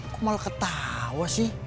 kok malah ketawa sih